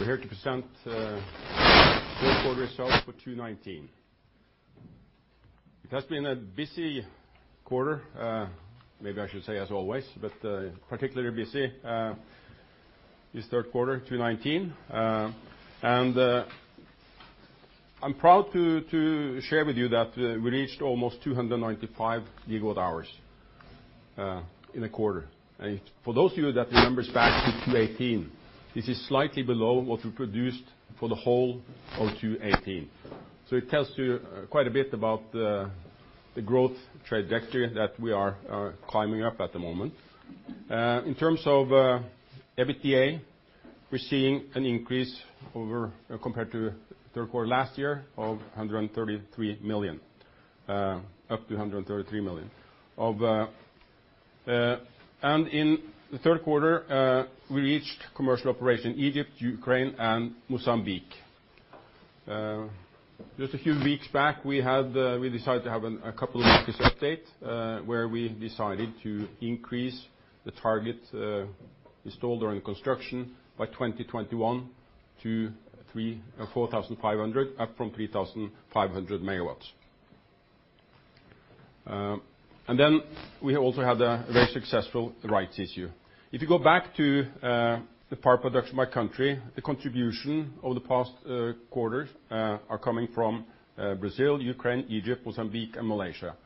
We're here to present the third quarter results for 2019. It has been a busy quarter, maybe I should say as always, but particularly busy this third quarter, 2019. I'm proud to share with you that we reached almost 295 GWh in the quarter. For those of you that remembers back to 2018, this is slightly below what we produced for the whole of 2018. It tells you quite a bit about the growth trajectory that we are climbing up at the moment. In terms of EBITDA, we're seeing an increase compared to the third quarter last year of 133 million, up to 133 million. In the third quarter, we reached commercial operation Egypt, Ukraine, and Mozambique. Just a few weeks back, we decided to have a couple of updates, where we decided to increase the target installed during construction by 2021 to 4,500 up from 3,500 megawatts. We also had a very successful rights issue. If you go back to the power production by country, the contribution over the past quarters are coming from Brazil, Ukraine, Egypt, Mozambique, and Malaysia.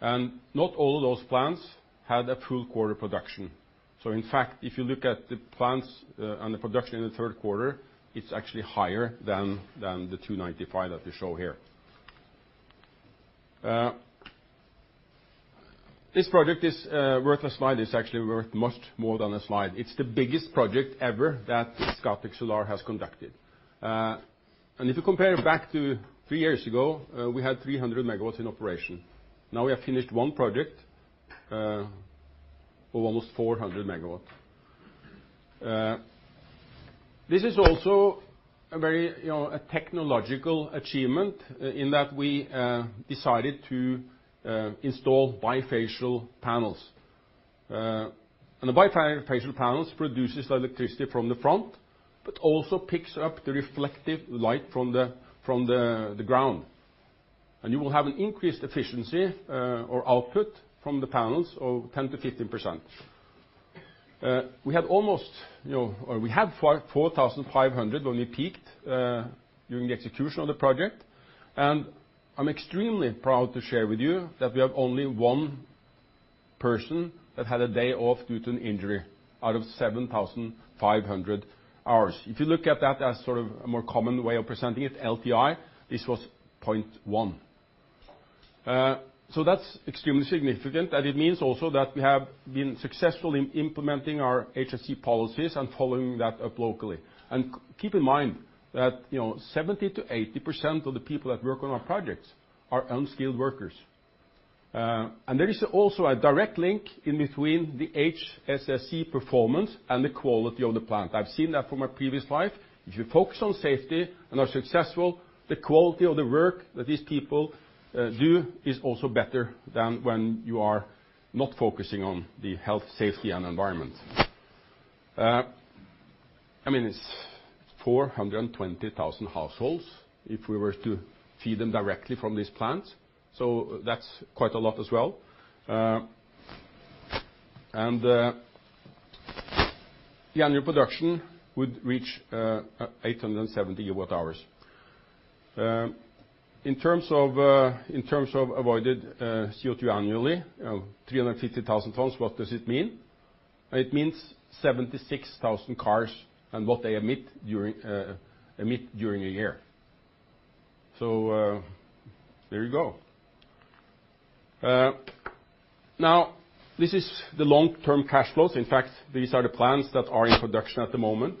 Not all of those plants had a full quarter production. In fact, if you look at the plants and the production in the third quarter, it's actually higher than the 295 that we show here. This project is worth a slide. It's actually worth much more than a slide. It's the biggest project ever that Scatec Solar has conducted. If you compare it back to three years ago, we had 300 megawatts in operation. We have finished one project of almost 400 MW. This is also a very technological achievement, in that we decided to install bifacial panels. The bifacial panels produces electricity from the front, but also picks up the reflective light from the ground. You will have an increased efficiency, or output, from the panels of 10%-15%. We had almost, or we had 4,500 when we peaked during the execution of the project. I'm extremely proud to share with you that we have only one person that had a day off due to an injury out of 7,500 hours. If you look at that as sort of a more common way of presenting it, LTI, this was 0.1. That's extremely significant, and it means also that we have been successful in implementing our HSSE policies and following that up locally. Keep in mind that 70%-80% of the people that work on our projects are unskilled workers. There is also a direct link in between the HSSE performance and the quality of the plant. I've seen that from my previous life. If you focus on safety and are successful, the quality of the work that these people do is also better than when you are not focusing on the health, safety, and environment. It's 420,000 households if we were to feed them directly from these plants. That's quite a lot as well. The annual production would reach 870 GWh. In terms of avoided CO2 annually, 350,000 tons, what does it mean? It means 76,000 cars and what they emit during a year. There you go. Now, this is the long-term cash flows. In fact, these are the plants that are in production at the moment.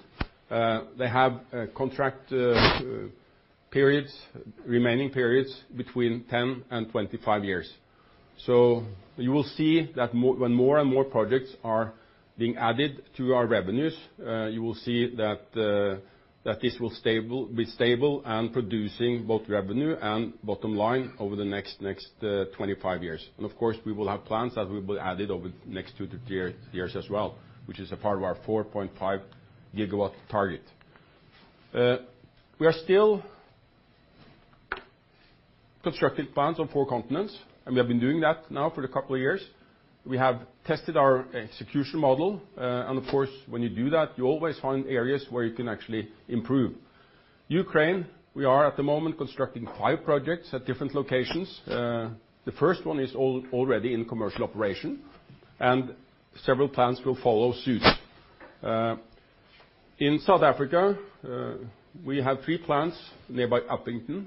They have contract periods, remaining periods between 10-25 years. You will see that when more and more projects are being added to our revenues, you will see that this will be stable and producing both revenue and bottom line over the next 25 years. Of course, we will have plans that we will add it over the next 2-3 years as well, which is a part of our 4.5 gigawatt target. We are still constructing plants on four continents. We have been doing that now for a couple of years. We have tested our execution model. Of course, when you do that, you always find areas where you can actually improve. Ukraine, we are at the moment constructing five projects at different locations. The first one is already in commercial operation, and several plants will follow suit. In South Africa, we have three plants nearby Upington,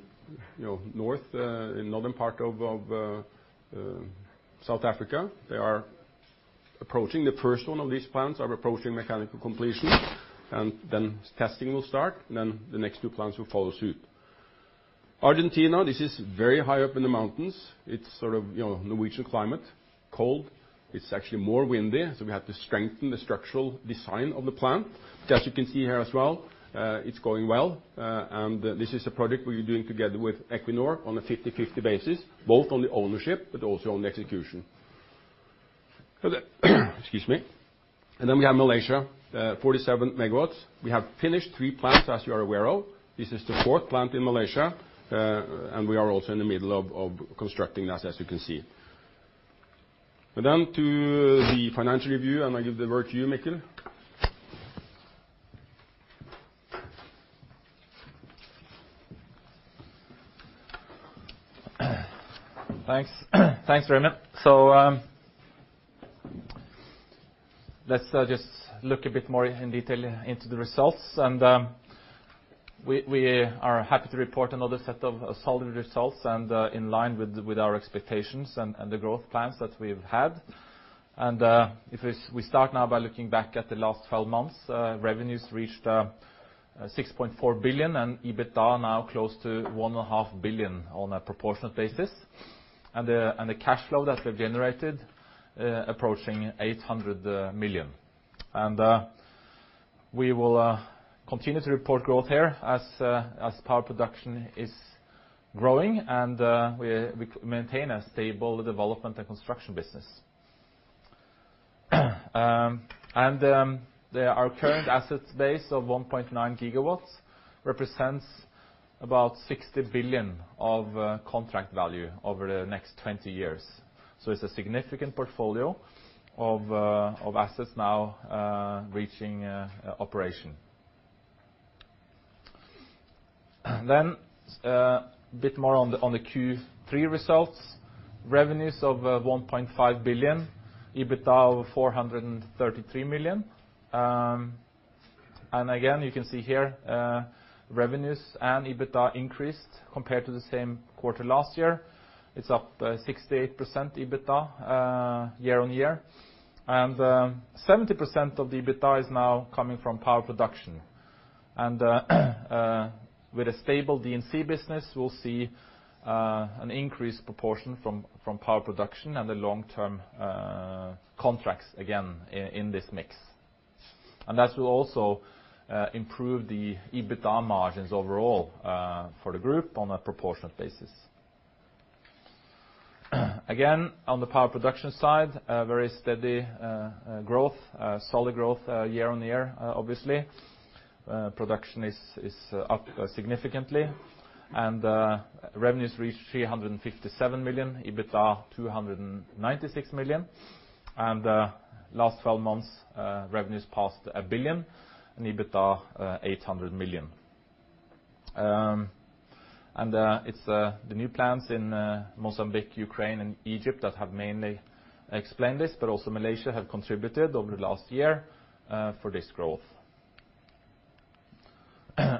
north in northern part of South Africa. The first one of these plants are approaching mechanical completion. Then testing will start. Then the next two plants will follow suit. Argentina, this is very high up in the mountains. It's sort of Norwegian climate, cold. It's actually more windy. We have to strengthen the structural design of the plant. As you can see here as well, it's going well. This is a project we're doing together with Equinor on a 50/50 basis, both on the ownership but also on the execution. Excuse me. We have Malaysia, 47 MW. We have finished three plants, as you are aware of. This is the fourth plant in Malaysia. We are also in the middle of constructing that, as you can see. To the financial review, and I give the word to you, Mikkel. Thanks. Thanks very much. Let's just look a bit more in detail into the results. We are happy to report another set of solid results, and in line with our expectations and the growth plans that we've had. If we start now by looking back at the last 12 months, revenues reached 6.4 billion and EBITDA now close to 1.5 billion on a proportionate basis. The cash flow that we've generated, approaching 800 million. We will continue to report growth here as power production is growing, and we maintain a stable development and construction business. Our current assets base of 1.9 gigawatts represents about 60 billion of contract value over the next 20 years. It's a significant portfolio of assets now reaching operation. A bit more on the Q3 results. Revenues of 1.5 billion, EBITDA of 433 million. Again, you can see here, revenues and EBITDA increased compared to the same quarter last year. It's up 68% EBITDA year-on-year. 70% of the EBITDA is now coming from power production. With a stable D&C business, we'll see an increased proportion from power production and the long-term contracts again in this mix. That will also improve the EBITDA margins overall for the group on a proportionate basis. Again, on the power production side, a very steady growth, solid growth year-on-year, obviously. Production is up significantly. Revenues reached 357 million, EBITDA 296 million. Last 12 months, revenues passed 1 billion and EBITDA 800 million. It's the new plants in Mozambique, Ukraine, and Egypt that have mainly explained this, but also Malaysia have contributed over the last year for this growth.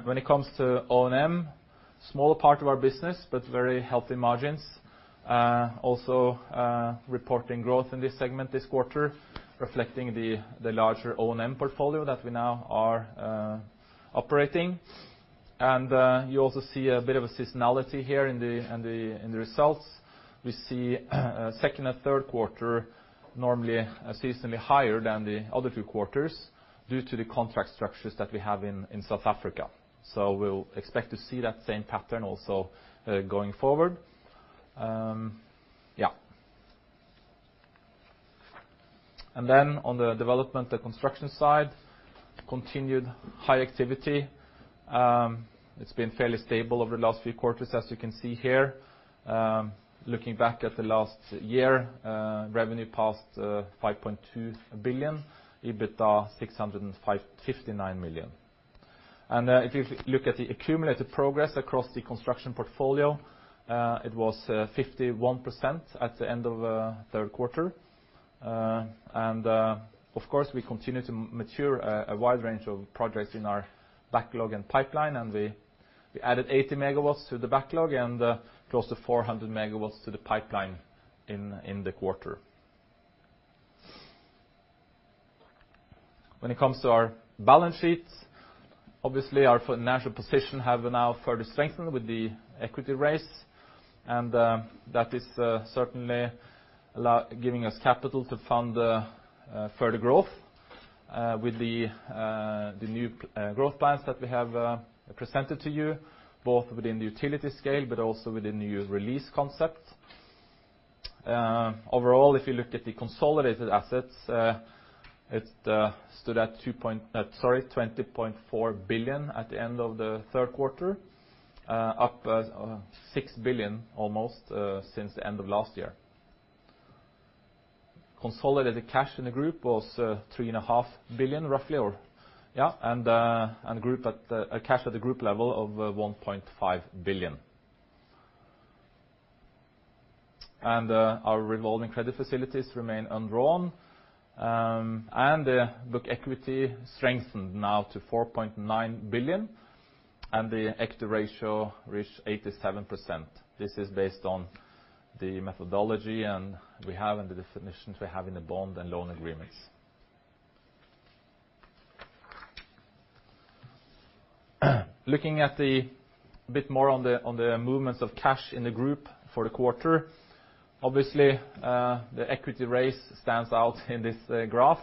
When it comes to O&M, smaller part of our business, but very healthy margins. Also reporting growth in this segment this quarter, reflecting the larger O&M portfolio that we now are operating. You also see a bit of a seasonality here in the results. We see second and third quarter normally seasonally higher than the other two quarters due to the contract structures that we have in South Africa. We'll expect to see that same pattern also going forward. Yeah. Then on the development and construction side, continued high activity. It's been fairly stable over the last few quarters, as you can see here. Looking back at the last year, revenue passed 5.2 billion, EBITDA 659 million. If you look at the accumulated progress across the construction portfolio, it was 51% at the end of third quarter. Of course, we continue to mature a wide range of projects in our backlog and pipeline, and we added 80 MW to the backlog and close to 400 MW to the pipeline in the quarter. When it comes to our balance sheets, obviously our financial position has now further strengthened with the equity raise. That is certainly giving us capital to fund further growth with the new growth plans that we have presented to you, both within the utility scale, but also within the new Release concept. Overall, if you look at the consolidated assets, it stood at 20.4 billion at the end of the third quarter, up 6 billion almost since the end of last year. Consolidated cash in the group was 3.5 billion roughly. Cash at the group level of 1.5 billion. Our revolving credit facilities remain undrawn. Book equity strengthened now to 4.9 billion, and the equity ratio reached 87%. This is based on the methodology we have and the definitions we have in the bond and loan agreements. Looking at the bit more on the movements of cash in the group for the quarter. Obviously, the equity raise stands out in this graph,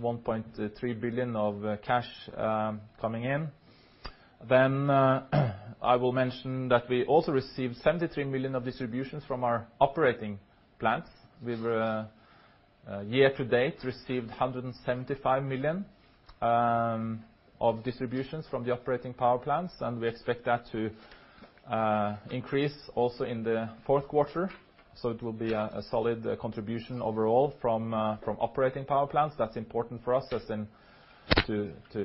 1.3 billion of cash coming in. I will mention that we also received $73 million of distributions from our operating plants. We, year-to-date, received $175 million of distributions from the operating power plants, and we expect that to increase also in the fourth quarter. It will be a solid contribution overall from operating power plants. That's important for us,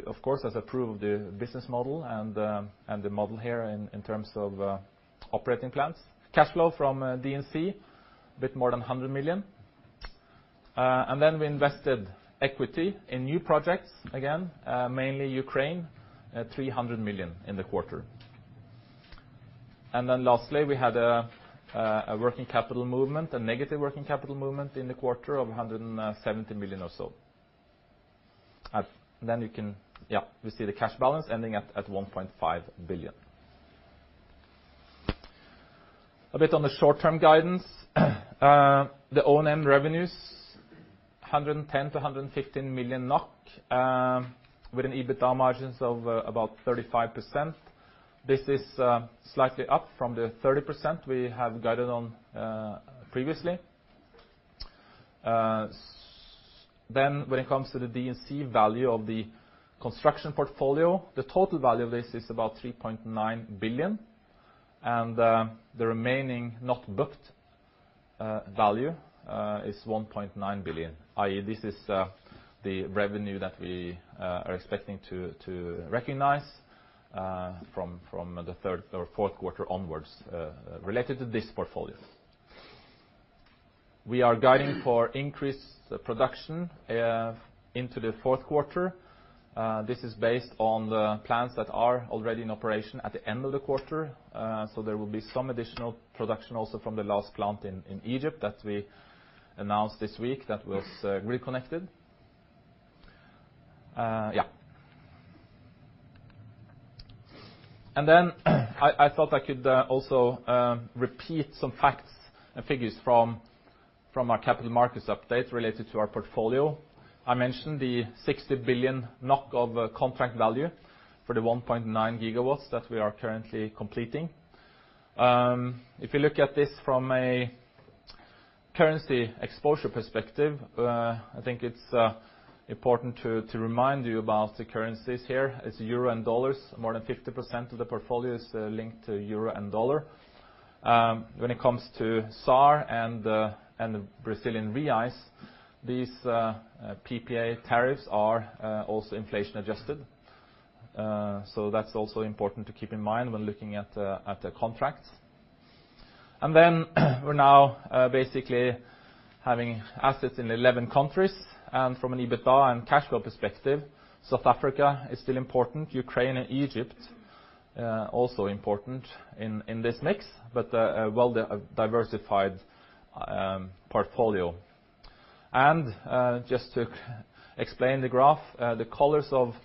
of course, as a proof of the business model and the model here in terms of operating plants. Cash flow from D&C, a bit more than 100 million. We invested equity in new projects again, mainly Ukraine, 300 million in the quarter. Lastly, we had a working capital movement, a negative working capital movement in the quarter of 170 million or so. We see the cash balance ending at 1.5 billion. A bit on the short-term guidance. The O&M revenues, 110 million-115 million NOK, with an EBITDA margins of about 35%. This is slightly up from the 30% we have guided on previously. When it comes to the D&C value of the construction portfolio, the total value of this is about 3.9 billion. The remaining not booked value is 1.9 billion, i.e., this is the revenue that we are expecting to recognize from the third or fourth quarter onwards related to this portfolio. We are guiding for increased production into the fourth quarter. This is based on the plants that are already in operation at the end of the quarter. There will be some additional production also from the last plant in Egypt that we announced this week that was reconnected. I thought I could also repeat some facts and figures from our capital markets update related to our portfolio. I mentioned the 60 billion NOK of contract value for the 1.9 gigawatts that we are currently completing. If you look at this from a currency exposure perspective, I think it's important to remind you about the currencies here. It's EUR and USD. More than 50% of the portfolio is linked to EUR and USD. When it comes to ZAR and the BRL, these PPA tariffs are also inflation adjusted. That's also important to keep in mind when looking at the contracts. We're now basically having assets in 11 countries, from an EBITDA and cash flow perspective, South Africa is still important. Ukraine and Egypt also important in this mix, but a well-diversified portfolio. Just to explain the graph, the colors of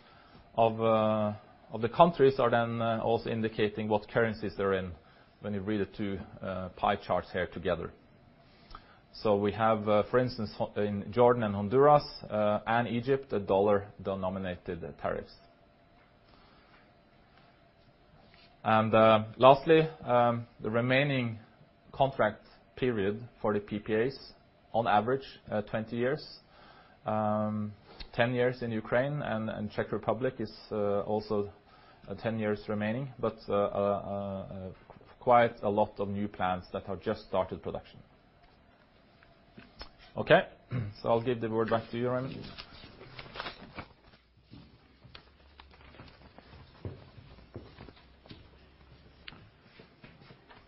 the countries are then also indicating what currencies they're in when you read the two pie charts here together. We have, for instance, in Jordan and Honduras and Egypt, USD-denominated tariffs. Lastly, the remaining contract period for the PPAs, on average 20 years. 10 years in Ukraine, Czech Republic is also 10 years remaining, but quite a lot of new plants that have just started production. Okay. I'll give the word back to you, Rune.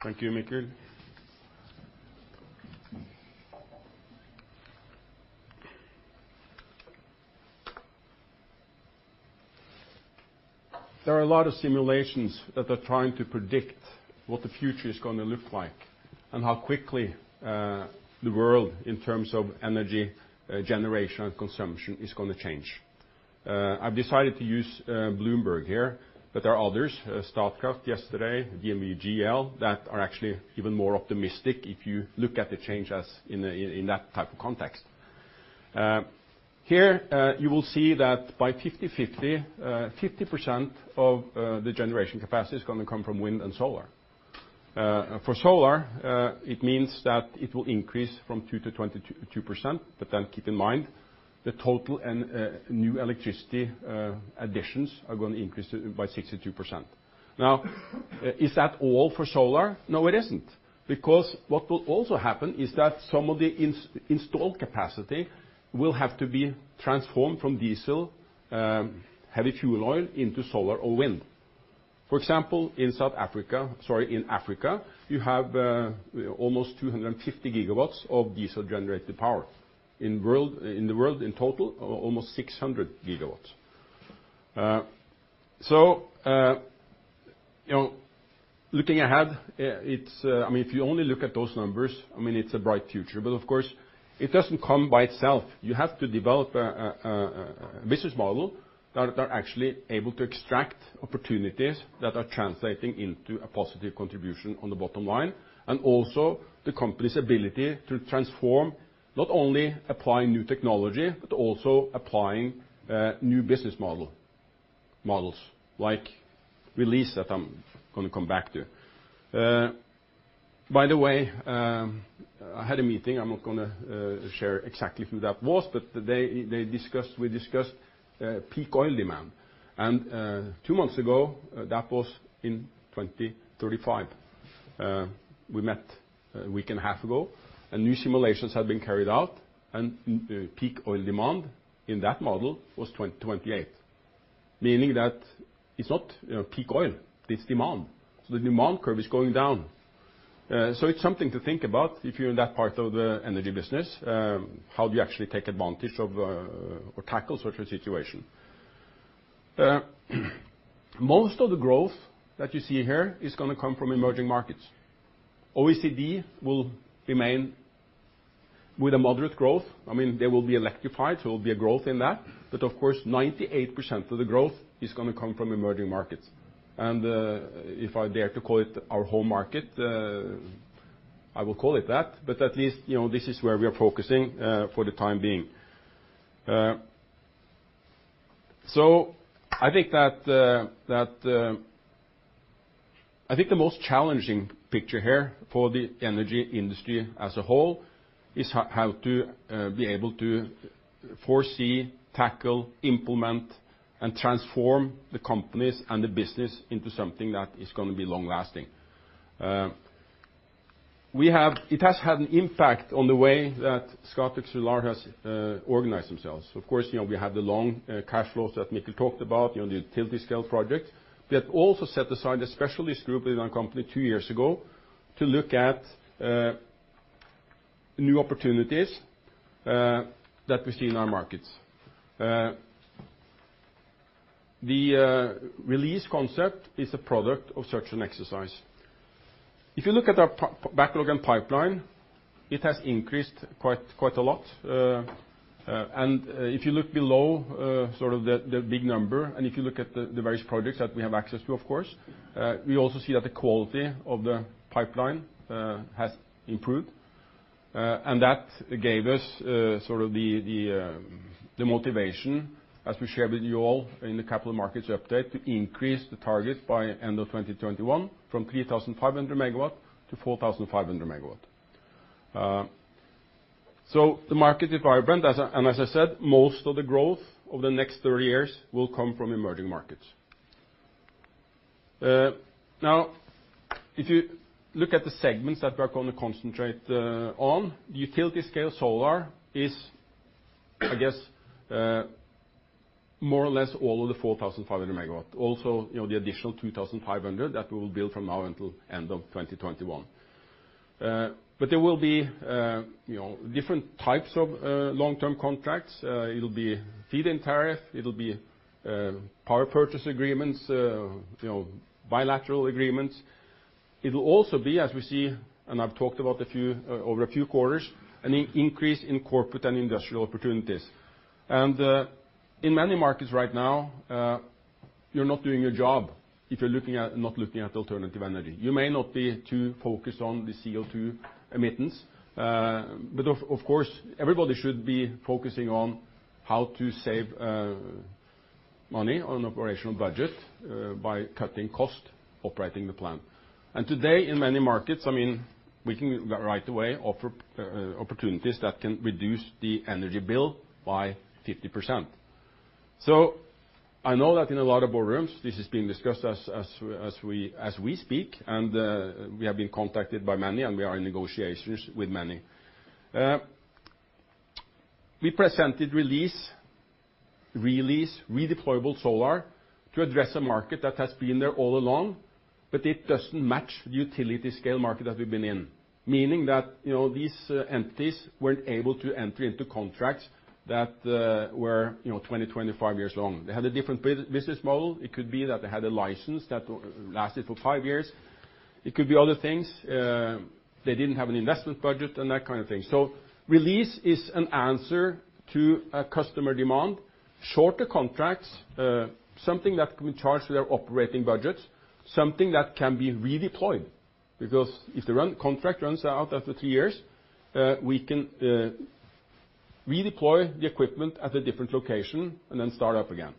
Thank you, Mikkel. There are a lot of simulations that are trying to predict what the future is going to look like and how quickly the world, in terms of energy generation and consumption, is going to change. I've decided to use Bloomberg here, but there are others, Statkraft yesterday, DNV GL, that are actually even more optimistic if you look at the change in that type of context. Here, you will see that by 50/50% of the generation capacity is going to come from wind and solar. For solar, it means that it will increase from 2%-22%. Keep in mind, the total new electricity additions are going to increase by 62%. Now, is that all for solar? No, it isn't. Because what will also happen is that some of the installed capacity will have to be transformed from diesel, heavy fuel oil into solar or wind. For example, in Africa, you have almost 250 gigawatts of diesel-generated power. In the world, in total, almost 600 gigawatts. Looking ahead, if you only look at those numbers, it's a bright future. Of course, it doesn't come by itself. You have to develop a business model that are actually able to extract opportunities that are translating into a positive contribution on the bottom line, and also the company's ability to transform, not only apply new technology, but also applying new business models, like Release that I'm going to come back to. By the way, I had a meeting. I'm not going to share exactly who that was, but we discussed peak oil demand. Two months ago, that was in 2035. We met a week and a half ago, and new simulations have been carried out, and peak oil demand in that model was 2028, meaning that it's not peak oil, it's demand. The demand curve is going down. It's something to think about if you're in that part of the energy business. How do you actually take advantage of or tackle such a situation? Most of the growth that you see here is going to come from emerging markets. OECD will remain with a moderate growth. They will be electrified, so there will be a growth in that. Of course, 98% of the growth is going to come from emerging markets. If I dare to call it our home market, I will call it that, but at least this is where we are focusing for the time being. I think the most challenging picture here for the energy industry as a whole is how to be able to foresee, tackle, implement, and transform the companies and the business into something that is going to be long-lasting. It has had an impact on the way that Scatec Solar has organized themselves. Of course, we have the long cash flows that Mikkel talked about, the utility scale project. We have also set aside a specialist group within our company two years ago to look at new opportunities that we see in our markets. The Release concept is a product of such an exercise. If you look at our backlog and pipeline, it has increased quite a lot. If you look below the big number and if you look at the various projects that we have access to, of course, we also see that the quality of the pipeline has improved. That gave us the motivation, as we shared with you all in the capital markets update, to increase the target by end of 2021 from 3,500 megawatts to 4,500 megawatts. The market is vibrant, and as I said, most of the growth over the next 30 years will come from emerging markets. If you look at the segments that we are going to concentrate on, utility scale solar is, I guess, more or less all of the 4,500 megawatts. Also the additional 2,500 that we will build from now until end of 2021. There will be different types of long-term contracts. It'll be feed-in tariff, it'll be power purchase agreements, bilateral agreements. It'll also be, as we see, I've talked about over a few quarters, an increase in corporate and industrial opportunities. In many markets right now, you're not doing your job if you're not looking at alternative energy. You may not be too focused on the CO2 emittance. Of course, everybody should be focusing on how to save money on operational budget by cutting cost operating the plant. Today, in many markets, we can right away offer opportunities that can reduce the energy bill by 50%. I know that in a lot of boardrooms this is being discussed as we speak, and we have been contacted by many, and we are in negotiations with many. We presented Release redeployable solar to address a market that has been there all along, it doesn't match the utility scale market that we've been in, meaning that these entities weren't able to enter into contracts that were 20, 25 years long. They had a different business model. It could be that they had a license that lasted for five years. It could be other things. They didn't have an investment budget and that kind of thing. Release is an answer to a customer demand, shorter contracts, something that can be charged to their operating budgets, something that can be redeployed because if the contract runs out after two years, we can redeploy the equipment at a different location and then start up again.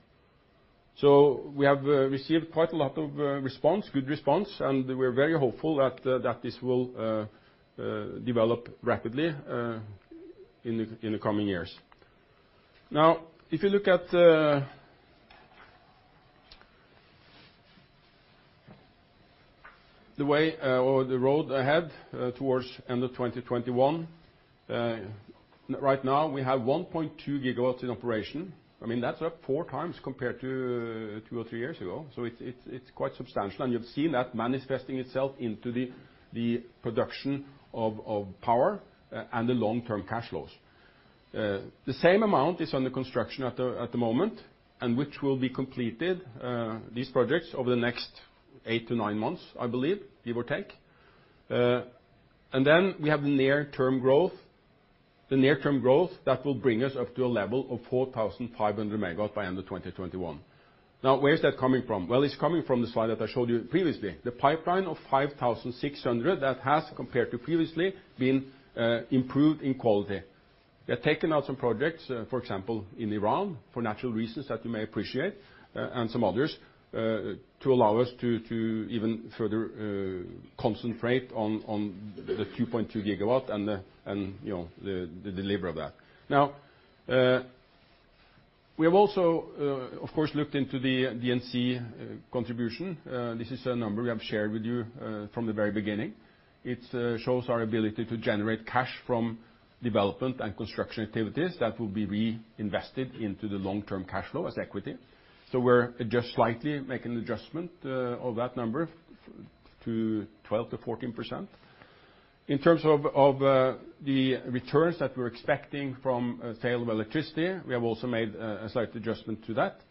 We have received quite a lot of good response, and we're very hopeful that this will develop rapidly in the coming years. If you look at the way or the road ahead towards end of 2021. Right now, we have 1.2 gigawatts in operation. That's up four times compared to two or three years ago, so it's quite substantial. You've seen that manifesting itself into the production of power and the long-term cash flows. The same amount is under construction at the moment, and which will be completed, these projects, over the next eight to nine months, I believe, give or take. Then we have the near-term growth that will bring us up to a level of 4,500 megawatts by end of 2021. Where is that coming from? It's coming from the slide that I showed you previously. The pipeline of 5,600 that has, compared to previously, been improved in quality. We have taken out some projects, for example, in Iran, for natural reasons that you may appreciate, and some others, to allow us to even further concentrate on the 2.2 gigawatt and the deliver of that. Now, we have also, of course, looked into the D&C contribution. This is a number we have shared with you from the very beginning. It shows our ability to generate cash from development and construction activities that will be reinvested into the long-term cash flow as equity. We're just slightly making an adjustment of that number to 12%-14%. In terms of the returns that we're expecting from sale of electricity, we have also made a slight adjustment to that.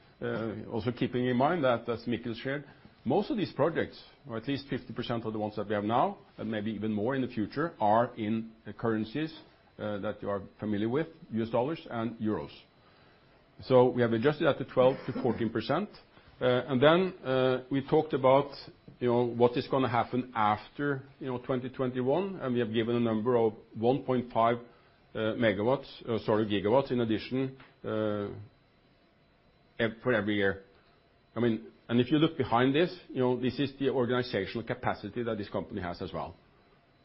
Keeping in mind that, as Mikkel shared, most of these projects, or at least 50% of the ones that we have now, and maybe even more in the future, are in currencies that you are familiar with, USD and EUR. We have adjusted that to 12%-14%. Then we talked about what is going to happen after 2021, and we have given a number of 1.5 MW, sorry, GW in addition for every year. If you look behind this is the organizational capacity that this company has as well.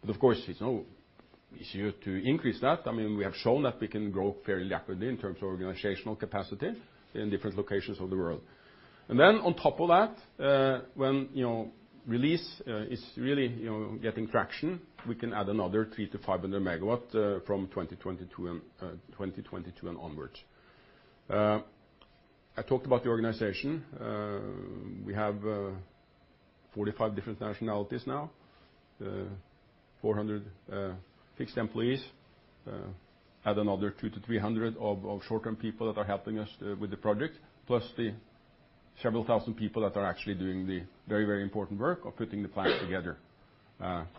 Of course, it's easier to increase that. We have shown that we can grow fairly rapidly in terms of organizational capacity in different locations of the world. Then on top of that, when Release is really getting traction, we can add another 300-500 MW from 2022 and onwards. I talked about the organization. We have 45 different nationalities now, 400 fixed employees. Add another 200 to 300 of short-term people that are helping us with the project, plus the several thousand people that are actually doing the very, very important work of putting the plant together.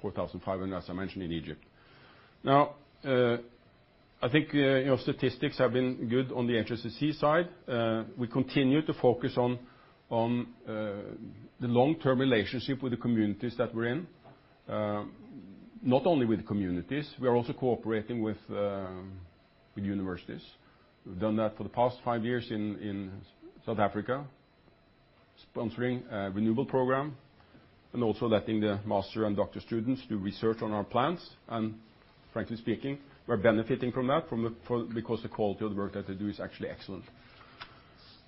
4,500, as I mentioned, in Egypt. I think statistics have been good on the H2C side. We continue to focus on the long-term relationship with the communities that we're in. Not only with the communities, we are also cooperating with universities. We've done that for the past five years in South Africa, sponsoring a renewable program, and also letting the master and doctor students do research on our plants. Frankly speaking, we're benefiting from that because the quality of the work that they do is actually excellent.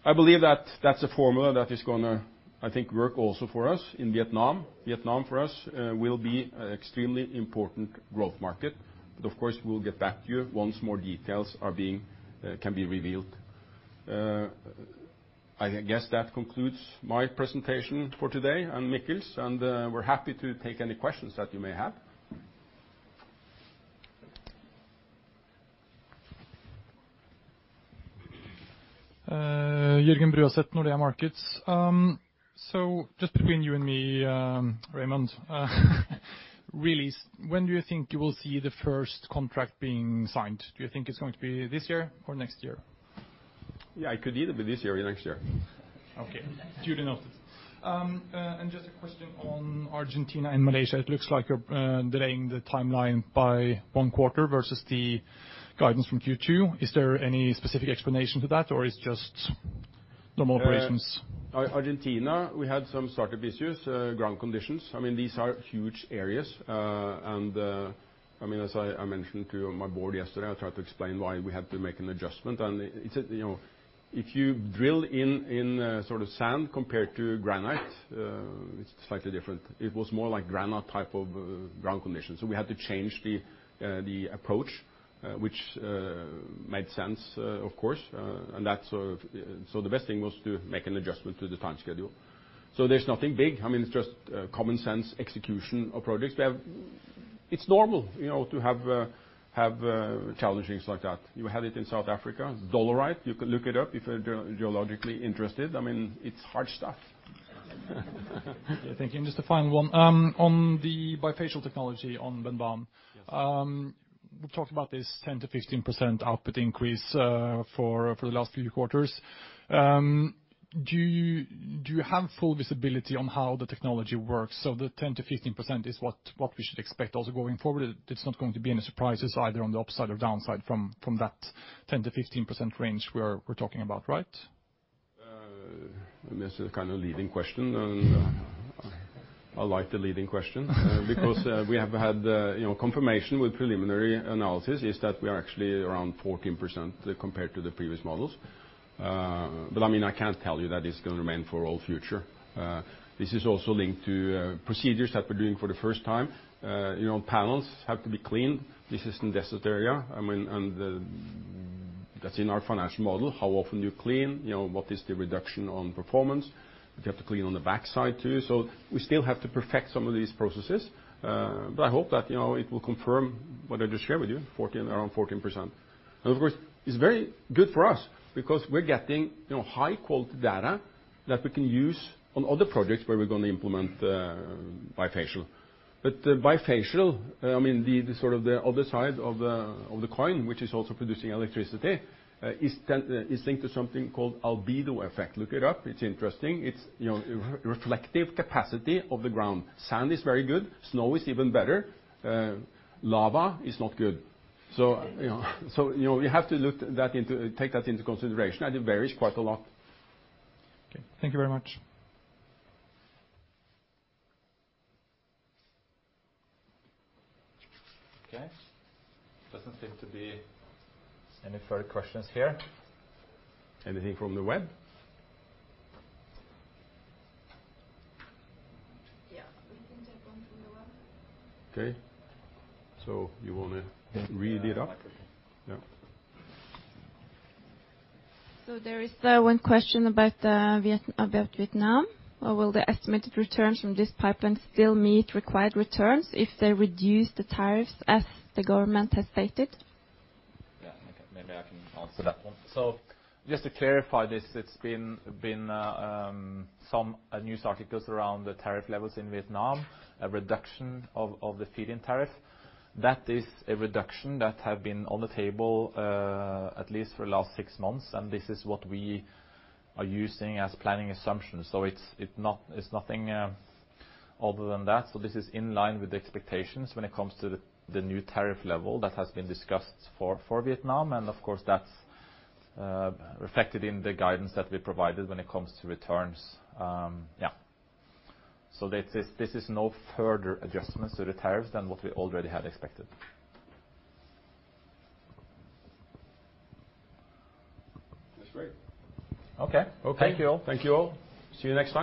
I believe that that's a formula that is going to, I think, work also for us in Vietnam. Vietnam for us will be an extremely important growth market. Of course, we'll get back to you once more details can be revealed. I guess that concludes my presentation for today, and Mikkel's, and we're happy to take any questions that you may have. Just between you and me, Raymond, Release, when do you think you will see the first contract being signed? Do you think it's going to be this year or next year? Yeah, it could either be this year or next year. Okay. Due diligence. Just a question on Argentina and Malaysia. It looks like you're delaying the timeline by one quarter versus the guidance from Q2. Is there any specific explanation to that, or it's just normal operations? Argentina, we had some startup issues, ground conditions. As I mentioned to my board yesterday, I tried to explain why we had to make an adjustment. If you drill in sort of sand compared to granite it's slightly different. It was more like granite type of ground conditions. We had to change the approach, which made sense, of course. The best thing was to make an adjustment to the time schedule. There's nothing big. It's just common sense execution of projects. It's normal to have challenging things like that. You had it in South Africa, dolerite. You can look it up if you're geologically interested. It's hard stuff. Thank you. Just a final one. On the bifacial technology on Benban. Yes. We talked about this 10%-15% output increase for the last few quarters. Do you have full visibility on how the technology works, so the 10%-15% is what we should expect also going forward? It's not going to be any surprises either on the upside or downside from that 10%-15% range we're talking about, right? This is a kind of leading question, and I like the leading question because we have had confirmation with preliminary analysis is that we are actually around 14% compared to the previous models. I can't tell you that it's going to remain for all future. This is also linked to procedures that we're doing for the first time. Panels have to be cleaned. This is in desert area. That's in our financial model, how often do you clean? What is the reduction on performance? Do you have to clean on the backside, too? We still have to perfect some of these processes. I hope that it will confirm what I just shared with you, around 14%. Of course, it's very good for us because we're getting high-quality data that we can use on other projects where we're going to implement bifacial. Bifacial, the other side of the coin, which is also producing electricity, is linked to something called albedo effect. Look it up. It's interesting. It's reflective capacity of the ground. Sand is very good. Snow is even better. Lava is not good. You have to take that into consideration, and it varies quite a lot. Okay. Thank you very much. Okay. Doesn't seem to be any further questions here. Anything from the web? Yeah. We can take one from the web. Okay. You want to read it up? Yeah. There is one question about Vietnam. Will the estimated returns from this pipeline still meet required returns if they reduce the tariffs as the government has stated? Yeah. Maybe I can answer that one. Just to clarify this, it's been some news articles around the tariff levels in Vietnam, a reduction of the feed-in tariff. That is a reduction that have been on the table at least for the last six months, and this is what we are using as planning assumptions. It's nothing other than that. This is in line with the expectations when it comes to the new tariff level that has been discussed for Vietnam, and of course, that's reflected in the guidance that we provided when it comes to returns. Yeah. This is no further adjustments to the tariffs than what we already had expected. That's great. Okay. Okay. Thank you all. Thank you all. See you next time.